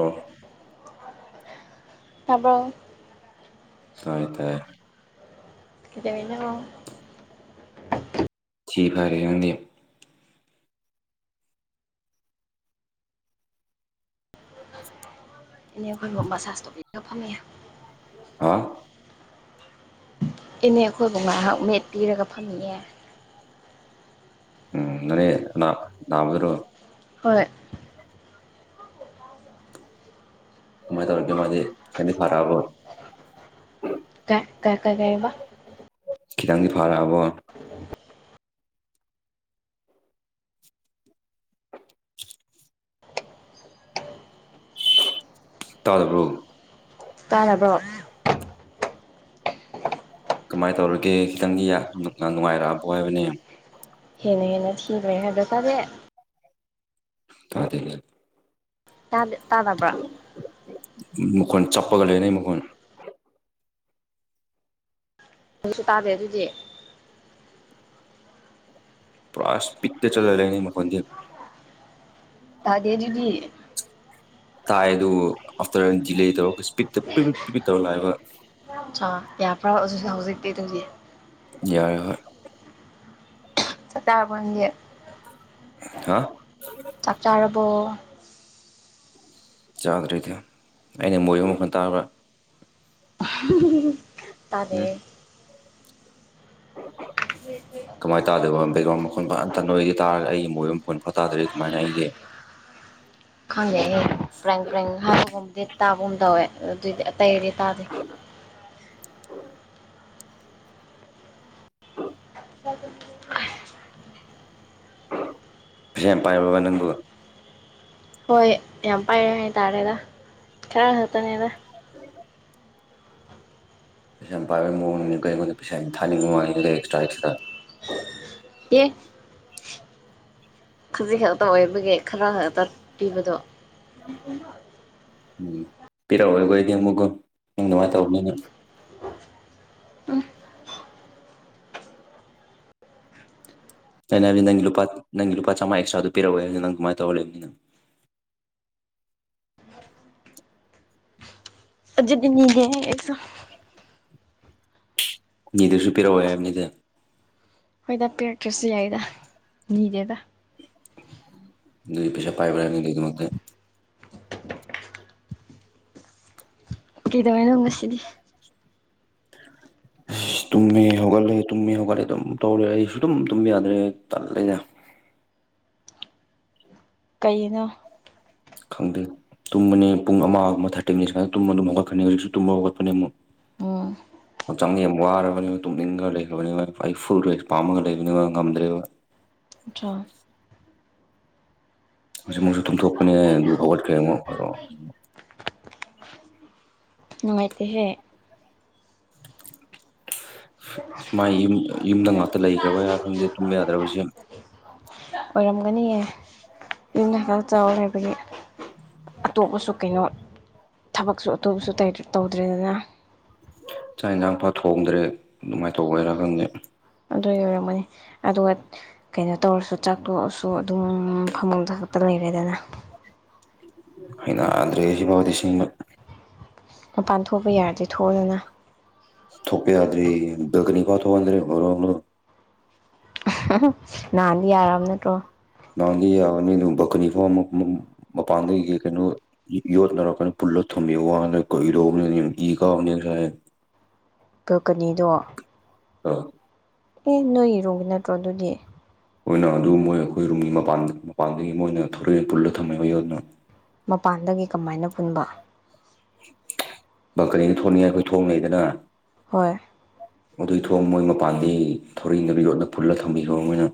ꯑꯣ ꯇꯥꯕꯔꯣ ꯇꯥꯏꯌꯦ ꯇꯥꯏꯌꯦ ꯀꯩꯗꯧꯔꯤꯅꯣ ꯊꯤ ꯐꯥꯏꯔꯤ ꯅꯪꯗꯤ ꯏꯅꯦ ꯑꯩꯈꯣꯏꯕꯨ ꯃꯁꯥꯁ ꯇꯧꯕꯤꯕꯒꯤ ꯐꯝꯃꯤꯌꯦ ꯍꯥꯥ ꯏꯅꯦ ꯑꯩꯈꯣꯏꯕꯨꯕ ꯉꯥꯏꯍꯥꯛ ꯃꯦꯠ ꯄꯤꯔꯒ ꯐꯝꯃꯤꯌꯦ ꯎꯝ ꯅꯣꯏ ꯅꯥ ꯅꯥꯕꯗꯨꯔꯣ ꯍꯣꯏ ꯀꯥꯃꯥꯏ ꯇꯧꯔꯒꯦ ꯃꯥꯗꯤ ꯈꯔ ꯐꯔꯕꯣ ꯀ ꯀ ꯀ ꯀꯩꯕ ꯈꯤꯇꯪꯗꯤ ꯐꯔꯛꯑꯕꯣ ꯇꯥꯗꯔꯣ ꯇꯥꯔꯕ꯭ꯔꯣ ꯀꯃꯥꯏ ꯇꯧꯔꯒꯦ ꯈꯤꯇꯪꯗꯤ ꯅꯨꯡꯉꯥꯏꯔꯛꯑꯕꯣ ꯍꯥꯏꯕꯅꯦ ꯍꯦꯟꯅ ꯍꯦꯟꯅ ꯊꯤ ꯍꯥꯏꯗ꯭ꯔ ꯇꯔꯦ ꯇꯥꯗꯤꯌꯦ ꯥ ꯇꯥꯗꯕ꯭ꯔꯥ ꯃꯈꯣꯜ ꯆꯞꯄꯒ ꯂꯩꯅꯩ ꯃꯈꯣꯜ ꯑꯗꯨꯁꯨ ꯇꯥꯗꯦ ꯑꯗꯨꯗꯤ ꯄꯨꯔꯥ ꯏꯁꯄꯤꯠꯇ ꯆꯠꯂ ꯂꯩꯅꯦ ꯃꯈꯣꯜꯖꯦ ꯇꯥꯗꯦ ꯑꯗꯨꯗꯤ ꯇꯥꯏ ꯑꯗꯨ ꯑꯥꯐꯇꯔ ꯗꯤꯂꯦ ꯇꯧꯔꯒ ꯏꯁꯄꯤꯠꯇ ꯄꯔꯤ ꯄꯤ ꯄꯤꯛ ꯇꯧꯔ ꯂꯥꯛꯑꯦꯕ ꯍꯧ ꯍꯧꯖꯤꯛꯇ ꯑꯗꯨꯝ ꯌꯥꯔꯦ ꯍꯣꯏ ꯆꯥꯛ ꯆꯥꯔꯕꯣ ꯅꯪꯗꯤ ꯍꯥ ꯆꯥꯛ ꯆꯥꯔꯕꯣ ꯆꯥꯗ꯭ꯔꯦꯗ ꯑꯩꯅ ꯃꯣꯏꯕ ꯃꯈꯣꯜ ꯇꯥꯔꯕ ꯎꯝ ꯇꯥꯗꯦꯍꯦ ꯀꯃꯥꯏꯅ ꯇꯥꯗꯦꯕ ꯕꯦꯛꯒ꯭ꯔꯥꯎꯟ ꯃꯈꯣꯟ ꯐꯟꯇ ꯅ ꯑꯣꯏꯒ ꯇꯥꯔꯒ ꯑꯩ ꯃꯣꯏ ꯃꯈꯣꯟ ꯐ ꯈꯪꯗꯦꯅꯦ ꯄ꯭ꯔꯦꯡ ꯄ꯭ꯔꯦꯡ ꯍꯥꯏꯕꯒꯨꯝ ꯗꯦꯠ ꯇꯥꯕꯨꯝ ꯇꯧꯋꯦ ꯑꯗꯨꯏꯗꯤ ꯑꯇꯩꯗꯤ ꯇꯥꯗꯦ ꯄ ꯄꯥꯏꯕꯅ ꯇꯕ ꯍꯣꯏ ꯌꯥꯝ ꯄꯥꯏꯔꯦ ꯍꯥꯏꯇꯥꯥꯔꯦꯗ ꯈꯔ ꯈꯛꯇꯅꯦꯗ ꯄꯩꯁꯥ ꯌꯥꯝ ꯄꯥꯏꯕ ꯃꯑꯣꯡꯅꯤꯅꯦ ꯑꯩꯉꯣꯟꯗ ꯄꯩꯁꯥ ꯌꯥꯝ ꯊꯥꯅꯤꯡꯕ ꯋꯥꯅꯤꯅꯦ ꯑꯦꯛꯁꯇ꯭ꯔꯥ ꯑꯦꯛꯁꯇ꯭ꯔꯥ ꯑꯩ ꯍꯧꯖꯤꯛ ꯈꯥꯛ ꯇꯧꯏꯕꯒꯤ ꯈꯔ ꯈꯛ ꯄꯤꯕꯗꯣ ꯎꯝ ꯄꯤꯔꯛꯑꯣ ꯑꯩꯈꯣꯏꯗꯤ ꯑꯃꯨꯛꯀꯨꯝ ꯅꯪ ꯃꯥꯏꯅ ꯇꯧꯕꯅꯤꯅ ꯑꯩꯅ ꯍꯥꯏꯕꯗꯤ ꯅꯪꯒꯤ ꯂꯨ ꯅꯪ ꯂꯨꯄꯥ ꯆꯥꯝꯃꯉ ꯑꯦꯁꯇ꯭ꯔꯥꯗ ꯄꯤꯔꯛꯑꯣ ꯍꯥꯏ ꯑꯗꯨꯗꯤ ꯅꯪ ꯀꯃꯥꯏꯅ ꯇꯧꯔ ꯂꯩꯕꯅꯤ ꯅꯪ ꯑ ꯑꯖꯤꯗꯤꯅꯤꯒꯁꯨ ꯅꯤꯗꯁꯨ ꯄꯤꯔꯛꯑꯣꯅꯤꯗ ꯍꯣꯏꯗ ꯄꯤꯔꯛꯇ꯭ꯔꯁꯨ ꯌꯥꯏꯗ ꯅꯤꯗꯦꯗ ꯗꯨꯗꯤ ꯄꯩꯁꯥ ꯄꯥꯏꯕꯅꯤ ꯑꯗꯨꯒꯤ ꯃꯊꯦ ꯀꯩꯗꯧꯏ ꯍꯥꯏꯅꯣ ꯉꯁꯤꯗꯤ ꯗ ꯑꯁ ꯇꯨꯝꯃꯦ ꯍꯧꯒꯠꯂꯦ ꯇꯨꯝꯃꯤ ꯍꯧꯒꯠꯂꯦ ꯑꯗꯨꯝ ꯇꯧꯔꯦ ꯑꯩꯁꯨ ꯑꯗꯨꯝ ꯇꯨꯝꯕ ꯌꯥꯗ꯭ꯔꯦ ꯇꯜꯂꯦ ꯖ ꯀꯩꯒꯤꯅꯣ ꯈꯪꯗꯦ ꯇꯨꯝꯕꯅꯤ ꯄꯨꯡ ꯑꯃꯒ ꯑꯃ ꯊꯥꯔꯇꯤꯅꯤ ꯁꯨꯃꯥꯏꯅ ꯇꯨꯝꯕ ꯑꯗꯨꯝ ꯍꯧꯒꯠꯀꯅꯤ ꯍꯧꯖꯤꯛꯁꯨ ꯇꯨꯝꯕ ꯍꯧꯒꯠꯄꯅꯦ ꯑꯃꯨꯛ ꯑꯣ ꯍꯛꯆꯥꯡꯗ ꯌꯥꯝ ꯋꯥꯔꯕꯅꯤꯕ ꯇꯨꯝꯅꯤꯡꯉ ꯂꯩꯈ꯭ꯔꯔꯕꯅꯤꯕ ꯑꯩ ꯐꯨꯜ ꯔꯦꯁ ꯄꯥꯝꯃꯒ ꯂꯩꯕꯅꯤꯕ ꯉꯝꯗ꯭ꯔꯦꯕ ꯗ꯭ꯔꯣ ꯍꯧꯖꯤꯛ ꯃꯣꯏꯁꯨ ꯇꯨꯝ ꯇꯨꯝꯊꯣꯛꯄꯅꯦ ꯗꯨ ꯈꯒꯠꯈꯔ꯭ꯦ ꯅꯨꯡꯉꯥꯏ ꯇꯦꯍꯦ ꯁꯨꯃꯥꯏ ꯌꯨꯝ ꯌꯨꯝꯗ ꯉꯥꯛꯇ ꯂꯩꯇꯔꯥꯕꯩꯔ꯭ ꯈꯪꯗꯦ ꯇꯨꯝꯕ ꯌꯥꯗ꯭ꯔꯕꯁ ꯑꯣꯏꯔꯝꯒꯅꯤꯌꯦ ꯌꯨꯝꯗ ꯈ ꯆꯥꯎꯔꯦ ꯍꯥꯏꯕꯗꯤ ꯑꯇꯣꯞꯄꯁꯨ ꯀꯩꯅꯣ ꯊꯕꯛꯁꯨ ꯑꯇꯣꯞꯄꯥꯁꯨ ꯇꯧꯗꯔ꯭ꯦꯗꯅ ꯆꯥꯛ ꯌꯦꯟꯁꯥꯡꯄꯥꯥꯛ ꯊꯣꯡꯗ꯭ꯔꯦ ꯑꯗꯨꯃꯥꯏꯅ ꯇꯧꯕꯩꯔꯥ ꯈꯪꯗꯦ ꯑꯗꯨꯏ ꯑꯣꯏꯔꯝꯒꯅꯤ ꯑꯗꯨꯒ ꯀꯩꯅꯣ ꯇꯧꯔꯁꯨ ꯆꯥꯛꯊꯣꯛꯑꯁꯨ ꯑꯗꯨꯝ ꯐꯃꯨꯡꯗ ꯈꯛꯇ ꯂꯩꯔꯦꯗꯅ ꯍꯩꯅꯗꯔ꯭ꯦꯍꯦ ꯁꯤꯃꯗꯤ ꯁꯦꯡꯅ ꯃꯄꯥꯟ ꯊꯣꯛꯄ ꯌꯥꯔꯗꯤ ꯊꯣꯛꯎꯗꯅ ꯊꯣꯛꯄ ꯌꯥꯗꯔꯦ ꯕꯦꯜꯀꯣꯅꯤ ꯐꯥꯎ ꯊꯣꯛꯈꯟꯗꯔ꯭ꯦ ꯍꯣꯏꯔꯣꯡ ꯔꯣ ꯍꯥꯟꯗꯤ ꯌꯥꯔꯝ ꯅꯠꯇ꯭ꯔꯣ ꯅꯍꯥꯟꯗꯤ ꯌꯥꯕꯥꯅꯤ ꯑꯗꯨ ꯚꯀꯅꯤꯐꯥꯎ ꯑꯃꯛ ꯃꯄꯥꯟꯗꯒꯤ ꯀꯩꯅꯣ ꯌꯣꯠꯅꯔꯛꯀꯅꯤ ꯏ ꯀꯥꯕꯅꯦ ꯀꯜꯀꯅꯤꯗꯣ ꯑꯥ ꯑꯦ ꯅꯣꯏ ꯔꯣꯝꯒꯤ ꯅꯠꯇ꯭ꯔꯣ ꯑꯗꯨꯗꯤ ꯃ ꯑꯣꯏꯅ ꯑꯗꯨ ꯃꯣꯏ ꯑꯩꯈꯣꯏ ꯔꯨꯝꯒꯤ ꯃꯄꯥꯟ ꯃꯄꯥꯟꯗꯒꯤ ꯃꯣꯏꯅ ꯊꯂꯛꯑꯦ ꯄꯨꯜꯂ ꯊꯝꯃꯦ ꯑꯩꯣꯟꯅ ꯃꯄꯥꯟꯗꯒꯤ ꯀꯃꯥꯏꯅ ꯄꯨꯟꯕ ꯕꯪꯀꯅꯤꯗ ꯊꯣꯡꯅꯤꯡꯉꯥꯏ ꯑꯩꯈꯣꯏ ꯊꯣꯡꯅꯩꯗꯅ ꯍꯣꯏ ꯑꯗꯨꯏ ꯊꯣꯡ ꯃꯣꯏ ꯃꯄꯥꯟꯗꯒꯤ ꯊꯧꯔꯤꯅꯥ ꯌꯣꯠꯅ ꯄꯨꯜꯂꯥꯒꯥ ꯊꯝꯕꯤꯕꯥ ꯃꯣꯏꯅ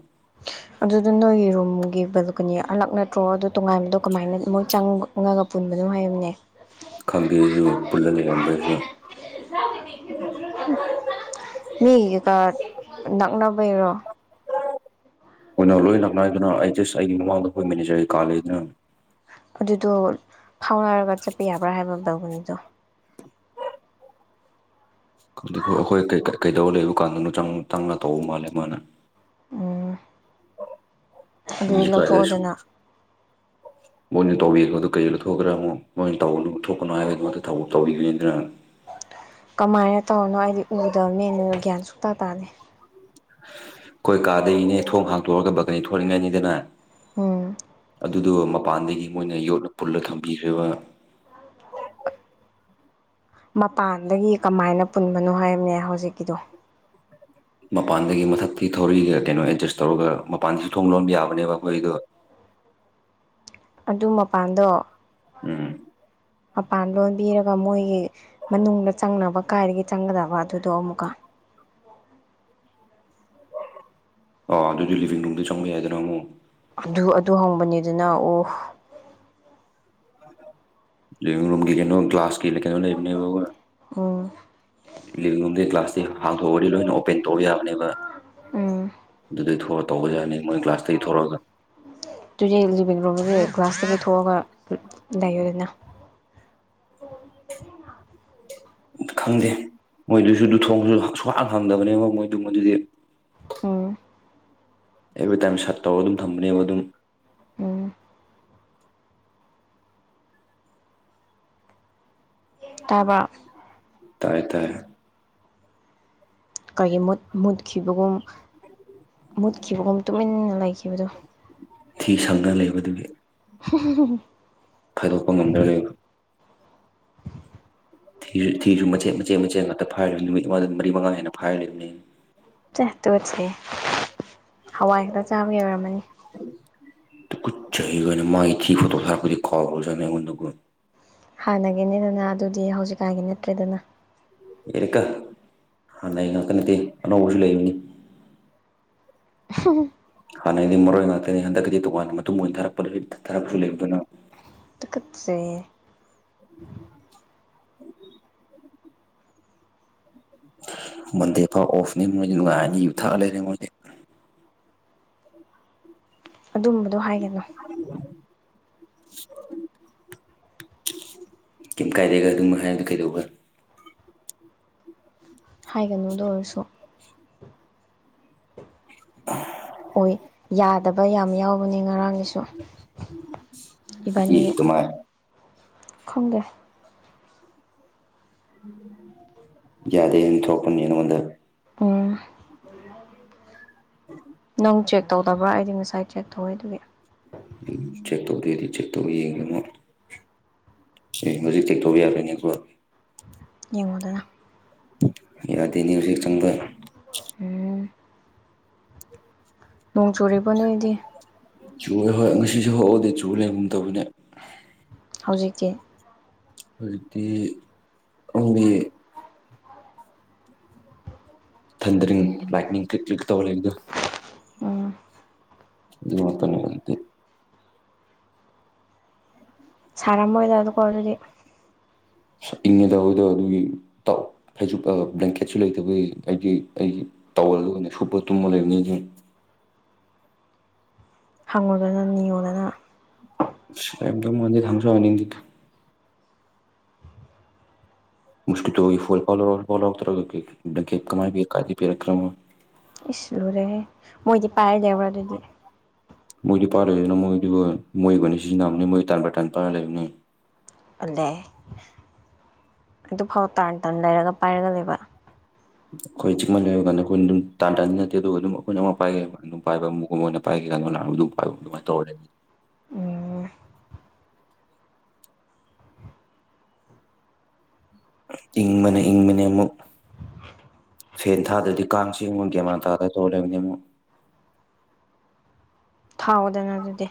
ꯑꯗꯨꯗ ꯅꯣꯏ ꯔꯨꯝꯒꯤ ꯕꯦꯜꯀꯣꯅꯤ ꯑꯂꯛ ꯅꯠꯇ꯭ꯔꯣ ꯑꯗꯨꯗꯣ ꯇꯣꯉꯥꯟꯕꯗꯣ ꯀꯃꯥꯏꯅ ꯃꯣꯏ ꯆꯪꯕ ꯎꯉꯥꯡ ꯑ ꯄꯨꯟꯕ ꯑꯗꯨꯝ ꯍꯥꯏꯔꯝꯅꯦ ꯈꯪꯗꯦ ꯑꯩꯁꯨ ꯄꯨꯜꯂ ꯂꯩꯔꯝꯕꯗꯨꯗꯥ ꯃꯤꯒꯤ ꯀꯥ ꯅꯛꯅꯕꯩꯔꯣ ꯃꯅ ꯂꯣꯏ ꯂꯛꯅꯏꯗꯨꯅ ꯑꯩ ꯁ ꯑꯩꯒꯤ ꯃꯃꯥꯡꯗ ꯑꯩꯈꯣꯏ ꯃꯦꯅꯦꯖꯔꯒꯤ ꯀꯥ ꯂꯩꯗꯅ ꯑꯗꯨꯗꯣ ꯐꯥꯎꯅꯔꯒ ꯆꯠꯄ ꯌꯥꯕ꯭ꯔꯥ ꯍꯥꯏꯕ ꯕꯒꯨꯅꯤꯗꯣ [unintelligible] ꯑꯩꯈꯣꯏ ꯀꯩꯗꯧꯕ ꯂꯩꯕ ꯀꯥꯟꯗꯅꯣ ꯆꯪ ꯆꯪꯅ ꯇꯧꯕ ꯃꯥꯜꯂꯦ ꯃꯥꯅ ꯎꯝ ꯑꯗꯨꯗꯤ ꯏꯁꯦ ꯀꯥꯏꯗ ꯂꯧꯊꯣꯛꯑꯗꯅ ꯃꯣꯏꯅ ꯇꯧꯕꯤꯗꯨ ꯀꯩ ꯂꯧꯊꯣꯛꯈ꯭ꯔꯥ ꯑꯃꯨꯛ ꯃꯣꯏꯅ ꯇꯧꯅꯨ ꯊꯣꯛꯀꯅꯨ ꯍꯥꯏꯕꯗꯨꯃ ꯇꯧꯕꯤꯒꯅꯤꯗꯅ ꯀꯃꯥꯏꯅ ꯇꯧꯔꯤꯅꯣ ꯑꯩꯗꯤ ꯎꯗꯕꯅꯦꯅꯣꯏ ꯒ꯭ꯌꯥꯟ ꯁꯨꯛꯇꯇꯥ ꯇꯥꯅꯤ ꯑꯩꯈꯣꯏ ꯀꯥꯗꯩꯅꯦ ꯊꯣꯡ ꯍꯥꯡꯇꯣꯛꯑꯒ ꯕꯛꯀꯅꯤ ꯊꯣꯔꯤꯉꯩꯅꯤꯗꯅ ꯎꯝ ꯑꯗꯨꯗꯨ ꯃꯄꯥꯟꯗꯒꯤ ꯃꯣꯏꯅ ꯌꯣꯠꯅ ꯄꯨꯜꯂ ꯊꯝꯕꯤꯈ꯭ꯔꯕ ꯃꯄꯥꯟꯗꯒꯤ ꯀꯃꯥꯏꯅ ꯄꯨꯟꯕꯅꯣ ꯍꯥꯏꯕꯅꯦ ꯍꯧꯖꯤꯛꯀꯤꯗꯣ ꯃꯄꯥꯟꯗꯒꯤ ꯃꯊꯛꯇꯤ ꯊꯧꯔꯤꯛꯏꯒ ꯀꯩꯅꯣ ꯑꯦꯗꯖꯁ ꯇꯧꯔꯒ ꯃꯄꯥꯟꯗꯁꯨ ꯊꯣꯡ ꯂꯣꯟꯕ ꯌꯥꯕꯅꯦꯕ ꯑꯩꯈꯣꯏꯗꯣ ꯑꯗꯨ ꯃꯄꯥꯟꯗꯣ ꯎꯝ ꯃꯄꯥꯟ ꯂꯣꯟꯕꯤꯔꯒ ꯃꯣꯏꯒꯤ ꯃꯅꯨꯡꯗ ꯆꯪꯅꯕ ꯀꯥꯏꯗꯒꯤ ꯆꯪꯒꯗꯕ ꯑꯗꯨꯗꯣ ꯑꯃꯨꯛꯀ ꯑ ꯑꯗꯨꯗꯤ ꯂꯤꯚꯡ ꯔꯨꯝꯗ ꯆꯪꯕ ꯌꯥꯏꯗꯅ ꯑꯃꯣ ꯑꯗꯨ ꯑꯗꯨ ꯍꯪꯕꯅꯤꯗꯅ ꯑꯣ ꯂꯤꯚ ꯔꯨꯝꯒꯤ ꯀꯩꯅꯣ ꯀ ꯀ꯭ꯂ꯭ꯂꯥꯁꯀꯤ ꯂ ꯀꯩꯅꯣꯅꯦ ꯎꯝ ꯂꯤꯕꯤꯡ ꯔꯨꯝꯗꯒꯤ ꯀ꯭ꯂꯥꯁꯇꯤ ꯍꯥꯡꯊꯣꯛꯑꯗꯤ ꯂꯣꯏꯅ ꯑꯣꯄꯦꯟ ꯇꯧꯕ ꯌꯥꯕꯅꯦꯕ ꯎꯝ ꯑꯗꯨꯗꯩ ꯊꯣꯛ ꯇꯧꯕ ꯌꯥꯅꯤ ꯃꯣꯏ ꯀ꯭ꯂꯥꯁꯇꯒꯤ ꯊꯣꯛꯂꯛꯑꯒ ꯑꯗꯨꯨꯒꯤ ꯂꯤꯕꯤꯡ ꯔꯨꯝꯝꯒꯤ ꯒ꯭ꯂꯥꯁꯇꯒꯤ ꯊꯣꯛꯑꯒ ꯂꯩꯌꯣ ꯑꯗꯨꯅ ꯍ ꯈꯪꯗꯦ ꯃꯣꯏꯗꯨꯁꯨ ꯑꯗꯨ ꯊꯣꯡꯁꯨ ꯁꯨꯍꯥꯟꯅ ꯍꯪꯗꯕꯅꯦꯕ ꯃꯣꯏꯗꯨ ꯃꯗꯨꯗꯤ ꯎꯝ ꯑꯦꯕ꯭ꯔꯤꯇꯥꯏꯝ ꯁꯠ ꯇꯧꯔꯒ ꯑꯗꯨꯝ ꯊꯝꯕꯅꯦꯕ ꯑꯗꯨꯝ ꯎꯝ ꯇꯥꯕ ꯇꯥꯏ ꯇꯥꯏꯦ ꯀꯔꯤꯒꯤ ꯃꯨꯠ ꯃꯨꯠꯈꯤꯕꯒꯨꯝ ꯃꯨꯠꯈꯤꯕꯒꯨꯝ ꯇꯨꯃꯤꯟꯅ ꯂꯩꯈꯤꯕꯗꯣ ꯊꯤ ꯁꯪꯅ ꯂꯩꯕꯗꯨꯒꯤ ꯍ ꯈꯥꯏꯗꯣꯛꯄ ꯉꯝꯗ꯭ꯔ ꯂꯩꯕ ꯊꯤꯁꯨ ꯊꯤꯁꯨ ꯃꯆꯦꯠ ꯃꯆꯦꯠ ꯃꯆꯦꯠ ꯉꯥꯛꯇ ꯐꯥꯏꯔꯤꯕꯅꯤ ꯅꯨꯃꯤꯠ ꯃꯉꯥ ꯃꯔꯤ ꯃꯉꯥ ꯍꯦꯟꯅ ꯐꯥꯏꯔꯤꯕꯅꯤ ꯆ ꯇꯣꯠꯁꯦ ꯍꯋꯥꯏ ꯈꯛꯇ ꯆꯥꯕꯒꯤ ꯑꯣꯏꯔꯝꯃꯅꯤ ꯠ ꯆꯍꯤ ꯑꯣꯏꯅ ꯃꯥꯒꯤ ꯊꯤ ꯐꯣꯇꯣꯛ ꯊꯔꯛꯄꯗꯤ ꯀꯥꯎꯖꯠꯅꯤ ꯑꯩꯉꯣꯟꯗ ꯍꯥꯟꯅꯒꯤꯅꯤꯗꯅ ꯑꯗꯨꯗꯤ ꯍꯧꯖꯤꯛꯀꯥꯏꯒꯤ ꯅꯠꯇ꯭ꯔꯦꯗꯅ ꯑꯦꯔꯀ ꯍꯥꯟ ꯂꯩ ꯉꯛꯇ ꯅꯠꯇ ꯑꯅꯧꯕꯁꯨ ꯂꯩꯃꯤꯅꯤ ꯍ ꯍꯥꯟꯅꯩꯗꯤ ꯃꯔꯣꯏ ꯉꯥꯛꯇꯅꯤ ꯍꯟꯗꯛꯀꯤꯗꯤ ꯇꯣꯉꯥꯟꯅ ꯃꯇꯨꯡ ꯊꯥꯔꯛꯄ ꯊꯥꯔꯛꯁꯨ ꯂꯩꯕ ꯑꯗꯨꯅ ꯎꯆ ꯃꯟꯗꯦ ꯄꯥꯎ ꯑꯣꯐꯅꯤ ꯃꯣꯏ ꯅꯨꯡꯉꯥꯏꯅꯤ ꯌꯨ ꯊꯛꯑ ꯂꯩꯔꯦ ꯃꯣꯏꯗꯤ ꯑꯗꯨꯝꯕꯗꯣ ꯍꯥꯏꯒꯅꯨ [unintelligible] ꯀꯩꯝ ꯀꯥꯏꯗꯦꯒ ꯑꯗꯨꯝ ꯍꯥꯏꯗ ꯀꯩꯗꯧꯒ ꯍꯥꯏꯒꯅꯨꯗ ꯑꯣꯏꯔꯁꯨ ꯑꯣꯏ ꯌꯥꯗꯕ ꯌꯥꯝ ꯌꯥꯎꯕꯅꯤ ꯉꯔꯥꯡꯒꯤꯁꯨ ꯏ ꯇꯨꯃꯥꯏ ꯈꯪꯒꯦ ꯌꯥꯗꯦ ꯊꯣꯛꯄꯅꯤꯅ ꯃꯗ ꯑꯣ ꯅꯪ ꯆꯦꯛ ꯇꯧꯗꯕ꯭ꯔꯥ ꯑꯩꯗꯤ ꯉꯁꯥꯏ ꯆꯦꯛ ꯇꯧꯋꯦ ꯑꯗꯨꯒꯤ ꯎ ꯆꯦꯛ ꯇꯧꯗꯦꯗꯤ ꯆꯦꯛ ꯇꯧ ꯌꯦꯡꯉꯦꯅꯣ ꯑꯦ ꯍꯧꯖꯤꯛ ꯇꯦꯛꯊꯧꯕ ꯌꯥꯔꯣꯏꯅꯤꯀꯣ ꯌꯦꯉꯗ ꯌꯥꯗꯦꯅꯤ ꯍꯧꯖꯤꯛ ꯆꯪꯕ ꯎꯝ ꯅꯣꯡ ꯆꯨꯔꯤꯕ ꯅꯣꯏꯗꯤ ꯆꯨꯦ ꯍꯣꯏ ꯉꯁꯤꯁꯨ ꯍꯎꯗꯤ ꯆꯨ ꯂꯩꯒꯝ ꯇꯕꯅꯦ ꯍꯧꯖꯤꯛꯇꯤ ꯑꯣꯏꯗꯤ ꯑꯝꯕ ꯊꯟꯗ꯭ꯔꯤ ꯂꯥꯏꯛꯅꯤꯡ ꯀ꯭ꯛ ꯀ꯭ꯂꯤꯛ ꯇꯧꯍꯂꯗ ꯎꯝ ꯑꯗꯨ ꯃ ꯃꯇꯝꯅꯤ ꯍꯠꯇꯦ ꯊꯥꯔꯝꯃꯣꯏꯗꯗꯀꯣ ꯑꯗꯨꯗꯤ ꯏꯪꯉꯦꯗꯗ ꯑꯗꯨꯒꯤ ꯍꯥꯏꯁꯨ ꯕ꯭ꯂꯦꯡꯀꯦꯠꯁꯨ ꯂꯩꯇꯕꯒꯤ ꯍꯥꯏꯗꯤ ꯑꯩꯒꯤ ꯇꯧꯔꯒ ꯑꯣꯏꯅ ꯁꯨꯞꯄ ꯇꯨꯝꯃ ꯂꯩꯕꯅꯤꯁꯤꯡ [inaudible] ꯍꯪꯉꯨꯗꯅ ꯅꯤꯉꯣꯗꯅ ꯕ ꯃꯗꯤ ꯊꯝꯁꯨ ꯑꯅꯤꯗꯤꯀ ꯃꯁꯀꯤꯜ ꯍꯒ ꯐꯨꯜ ꯐꯜꯔ ꯋꯥꯥꯎ ꯐꯜꯔ ꯇꯔꯪ ꯀꯃꯥꯏꯒꯤ ꯀꯥꯗꯤ ꯄꯔ ꯀ꯭ꯔꯃ ꯏꯂꯨ ꯔꯦ ꯃꯣꯏ ꯏꯗꯤ ꯄꯥꯏ ꯗꯦꯕꯔꯗꯗꯤ ꯃꯣꯏꯗꯨ ꯄꯥꯔ ꯂꯩꯗꯅ ꯃꯣꯏꯗꯨꯕꯨ ꯃꯣꯏꯕꯨꯅꯤ ꯁꯤꯖꯤꯟꯅꯕꯅꯤ ꯃꯣꯏ ꯇꯥꯟ ꯕꯥꯇꯥꯟ ꯄꯥꯔ ꯂꯩꯕꯅꯤ ꯑꯂꯦ ꯑꯗꯨꯐꯥꯎ ꯇꯥꯟ ꯇꯅ ꯂꯩꯔꯒ ꯄꯥꯏꯔꯒ ꯂꯩꯕ ꯑꯩꯈꯣꯏ ꯆꯤꯃꯟ ꯂꯩꯔ ꯀꯗ ꯑꯩꯈꯣꯏꯅ ꯑꯗꯨꯝ ꯇꯥꯟ ꯇꯥꯗꯤ ꯅꯠꯇꯦ ꯑꯗꯨꯒ ꯑꯗꯨꯝ ꯑꯩꯈꯣꯏꯅ ꯑꯃꯛ ꯄꯥꯏꯒꯦ ꯑꯗꯨꯝ ꯄꯥꯏꯕ ꯑꯃꯨꯛ ꯑꯃ ꯑꯣꯏꯅ ꯄꯥꯏꯒꯦ ꯥꯏ ꯇꯧꯔ ꯑꯣ ꯏꯪꯕꯅꯦ ꯏꯪꯕꯅꯦ ꯑꯃꯨꯛ ꯐꯦꯟ ꯊꯥꯗ꯭ꯔꯗꯤ ꯀꯥꯡꯁꯤ ꯃꯨꯒꯤ꯭ꯌꯥꯃꯇꯥꯗ ꯇꯣꯂꯕꯅꯤꯃꯨ ꯊꯥꯎꯗꯅ ꯑꯗꯨꯗꯤ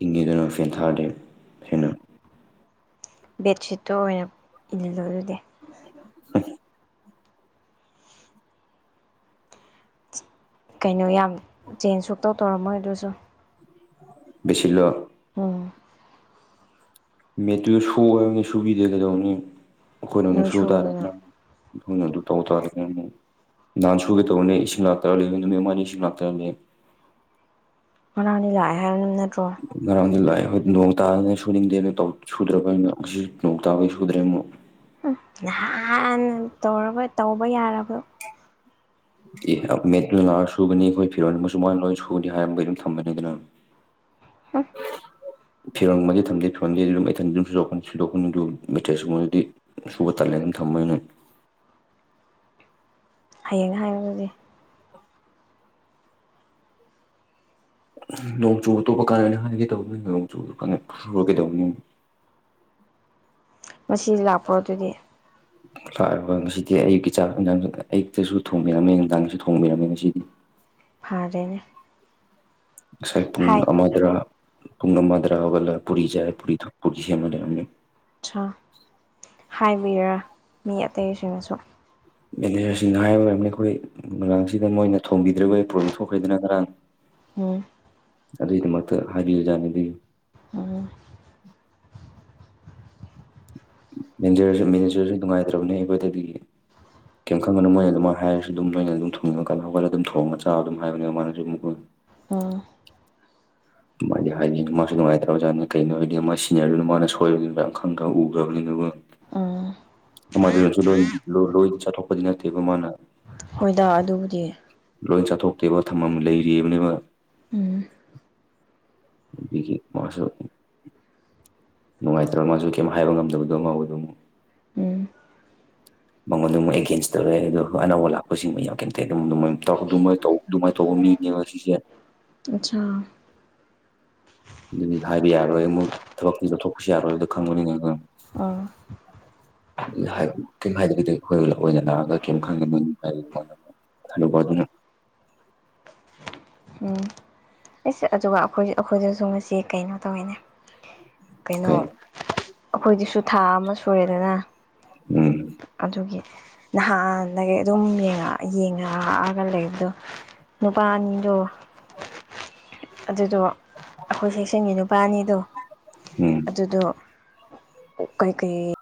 ꯏꯤꯡꯉꯤꯗꯨꯅ ꯐꯦꯜ ꯊꯥꯗꯦ ꯍꯟꯅ ꯕꯦꯠꯁꯤꯠꯇꯣ ꯑꯣꯏꯅ ꯏꯜꯂꯣ ꯑꯗꯨꯗꯤ ꯍ ꯀꯩꯅꯣ ꯌꯥꯝ ꯆꯦꯟꯖ ꯁꯨꯛꯇꯧ ꯇꯧꯔꯝꯃꯣꯏ ꯑꯗꯨꯁꯨ ꯁꯂꯣ ꯎꯝ ꯃꯦꯠꯇꯨꯗ ꯁꯨꯕꯅꯤ ꯁꯨꯕꯤꯗꯦ ꯀꯩꯗꯧꯅꯤ ꯑꯩꯈꯣꯏꯅꯅ ꯅꯣꯏ ꯁꯨꯕ ꯁꯨꯗꯅ ꯇꯥꯔꯅꯤꯅ ꯑꯩꯈꯣꯏꯅ ꯑꯗꯨ ꯇꯧ ꯇꯥꯔꯒ ꯑꯃ ꯅꯍꯥꯟ ꯁꯨꯒꯦ ꯇꯧꯕꯅꯦ ꯏꯁꯤꯡ ꯂꯥꯛꯇꯔ ꯂꯩ ꯅꯨꯃꯤꯃꯅꯤ ꯏꯁꯤꯡ ꯂꯥꯛꯇꯔꯅꯤ ꯑꯅꯅꯤ ꯂ ꯍꯥꯏ ꯑꯍꯃꯗ ꯂ ꯑꯩꯏ ꯅꯣꯡ ꯇꯥꯗꯅ ꯁꯨꯅꯤꯡꯗꯦ ꯑꯗꯨ ꯁꯨꯗ꯭ꯔꯕꯩꯅ ꯉꯁꯨ ꯅꯣꯡ ꯇꯥꯕꯩ ꯁꯨꯗ꯭ꯔꯦ ꯑꯃꯨꯛ ꯎꯍꯥꯟꯅ ꯇꯧꯔꯕ ꯇꯧꯕ ꯌꯥꯔꯕ [inaudible] ꯑꯦ ꯃꯦꯗꯨꯜ ꯂ ꯁꯨꯒꯅꯤ ꯑꯩꯈꯣꯏ ꯐꯤꯔꯣꯟꯜ ꯑꯃꯁꯨ ꯃꯥꯅ ꯂꯣꯏꯅ ꯁꯨꯅꯤ ꯍꯥꯏꯔꯝꯕ ꯑꯗꯨꯝ ꯊꯝꯕꯅꯤ ꯑꯗꯨꯅ ꯍ ꯐꯤꯔꯣꯟꯃꯗꯤ ꯊꯝꯗꯦ ꯐꯤꯔꯣꯟꯗꯦ ꯑꯗꯨꯝ ꯏꯊꯟ ꯑꯗꯨꯝ ꯁꯣꯛ ꯁꯗꯣꯛꯟꯗꯨ ꯃꯦꯊꯦꯁꯀꯨꯝꯕꯗꯨꯗꯤ ꯁꯨꯕ ꯇꯜꯂꯦ ꯊꯝꯃꯅꯦ [inaudible] ꯍꯌꯦꯡ ꯍꯥꯏꯔꯒꯗꯤ ꯅꯣꯡ ꯆꯨꯕ ꯑꯇꯣꯞꯄ ꯀꯥꯟꯅꯅꯤ ꯍꯥꯏꯒꯦ ꯇꯧꯕꯅꯤ ꯅꯣꯡꯆꯨ ꯁꯨꯔꯒꯦꯗꯧꯕꯅꯤ ꯃꯁꯤ ꯂꯥꯛꯄ꯭ꯔꯣ ꯑꯗꯨꯗꯤ ꯂꯥꯛꯔꯕ ꯉꯁꯤꯗꯤ ꯑꯌꯨꯛꯀꯤ ꯆꯥꯛꯟꯖꯥꯡ ꯑꯌꯨꯛꯇꯁꯨ ꯊꯣꯡꯕꯤꯔꯝꯃꯦ ꯅꯨꯡꯗꯥꯡꯒꯤꯁꯨ ꯊꯣꯡꯕꯤꯔꯝꯃꯦ ꯉꯁꯤꯗꯤ ꯐꯥꯔꯅꯦ ꯉꯁꯥꯏ ꯄꯨꯡ ꯑꯃꯗ꯭ꯔꯥ ꯄꯨꯡ ꯑꯃꯗ꯭ꯔꯥ ꯍꯧꯒꯜꯂ ꯄꯨꯔꯤ ꯌꯥꯥꯏ ꯄꯨꯔꯤ ꯊꯣꯛ ꯄꯨꯔꯤ ꯁꯦꯝꯃꯅꯦꯃꯤ ꯑ ꯍꯥꯏꯕꯤꯔꯦ ꯃꯤ ꯑꯇꯩꯁꯤꯡꯅꯁꯨ ꯃꯦꯅꯦꯖꯔꯁꯤꯡꯅ ꯍꯥꯏꯕꯝꯅꯤ ꯑꯩꯈꯣꯏ ꯔꯥꯡꯁꯤꯗ ꯃꯣꯏꯅ ꯊꯣꯡꯕꯤꯗ꯭ꯔꯕ ꯄ꯭ꯔꯣꯕ꯭ꯂꯦꯝ ꯊꯣꯛꯈ꯭ꯔꯦꯗꯅ ꯉꯔꯥꯡ ꯎꯝ ꯑꯗꯨꯗꯗꯤ ꯃꯛꯇ ꯍꯥꯏꯕꯤꯌꯨꯖꯥꯅꯤꯡꯗꯣ ꯎꯝ ꯃꯦꯅꯦꯖꯔꯁꯦ ꯅꯨꯡꯉꯥꯏꯇ꯭ꯔꯕꯅꯦ ꯑꯩꯈꯣꯏꯗꯗꯒꯤ ꯀꯩꯝ ꯈꯪꯒꯅꯨ ꯃꯣꯏꯅ ꯑꯗꯨꯝ ꯍꯥꯏꯔꯁꯨ ꯑꯗꯨꯝ ꯅꯣꯏꯅ ꯑꯗꯨꯝ ꯊꯣꯡꯅꯤꯡꯕꯀꯜ ꯍꯧꯒꯠꯂ ꯑꯗꯨꯝ ꯊꯣꯡꯉꯒ ꯆꯥ ꯑꯗꯨꯝ ꯍꯥꯏꯕꯅꯤ ꯃꯥꯅꯁꯨ ꯑꯗꯨꯝ ꯑ ꯃ ꯍꯥꯏꯗꯤ ꯍꯥꯏꯗꯤ ꯃꯥꯁꯨ ꯉꯥꯏꯇꯕ ꯑꯣꯖꯥꯠꯅ ꯀꯩꯅꯣ ꯍꯥꯏꯗꯤ ꯃꯥ ꯁꯤꯖꯤꯟꯅꯔꯔꯤꯕꯅ ꯃꯥꯅ ꯁꯣꯏꯕꯅꯤꯅ ꯑꯈꯪ ꯈ ꯎꯈ꯭ꯔꯕꯅꯤꯅ ꯎꯝ ꯃꯗꯨꯁꯨ ꯂꯣꯍꯤ ꯂꯣꯍꯤ ꯆꯠ ꯇꯣꯛꯄꯗꯤꯅꯠꯇꯕ ꯃꯥꯅ ꯍꯣꯏꯗ ꯑꯗꯨꯕꯨꯗꯤ ꯂꯣꯏ ꯆꯠꯊꯣꯛꯇꯦꯕ ꯊꯝꯃꯝ ꯂꯩꯔꯤꯕꯅꯤꯕ ꯎꯝ ꯒꯤ ꯃꯁ ꯅꯨꯡꯉꯥꯏꯇ꯭ꯔ ꯃꯥꯁꯨ ꯀꯩꯝ ꯍꯥꯏꯕ ꯉꯝꯗꯕꯗꯣꯃ ꯑꯗꯨꯃ [unintelligible] ꯃꯉꯣꯟꯗ ꯑꯃꯨꯛ ꯑꯦꯒꯦꯟꯁ ꯇꯧꯔꯦ ꯑꯗꯨꯒ ꯑꯅꯧꯕ ꯂꯥꯛꯄꯁꯤꯡꯃ ꯌꯥꯝ ꯀꯩꯝꯇꯩ ꯑꯗꯨꯝꯃꯥꯏꯅ ꯇꯧꯕ ꯅꯦ ꯋꯥꯁꯤꯁ ꯑꯆꯥ ꯑꯗꯨꯗꯤ ꯍꯥꯏꯕ ꯌꯥꯔꯣꯏ ꯑꯃꯨꯛ ꯊꯕꯛꯇ ꯂꯧꯠꯊꯣꯛꯄꯁꯨ ꯌꯥꯔꯣꯏ ꯑꯗꯨꯗ ꯈꯪꯕꯅꯤꯉ ꯑꯥ ꯑꯗꯨ ꯀꯩ ꯍꯥꯏꯗꯒꯗꯤ ꯑꯩꯈꯣꯏꯅ ꯅꯥꯑꯒ ꯀꯔꯤꯝ ꯈꯪꯉꯦ ꯊꯩꯅꯕ ꯑꯗꯨꯅ [unintelligible] ꯁ ꯑꯗꯨꯒ ꯑꯩꯈꯣꯏ ꯑꯩꯈꯣꯏꯗꯁꯨ ꯉꯁꯤ ꯀꯩꯅꯣ ꯇꯧꯋꯤꯅꯦ ꯀꯩꯅꯣ ꯀꯩ ꯑꯩꯈꯣꯏꯗꯤꯁꯨ ꯊꯥ ꯑꯃ ꯁꯨꯔꯦꯗꯅ ꯎꯝ ꯑꯗꯨꯒꯤ ꯅꯍꯥꯟꯗꯒꯤ ꯑꯗꯨꯝ ꯌꯦꯡꯉꯛꯛꯑꯒ ꯂꯩ ꯑꯗꯣ ꯅꯨꯄꯥꯖꯣ ꯑꯗꯨꯗꯣ ꯑꯩꯈꯣꯏ ꯁꯦꯛꯁꯟꯒꯤ ꯅꯨꯄꯥꯅꯤꯗꯣ ꯎꯝ ꯑꯗꯨꯗꯣ ꯀꯩ ꯀꯩ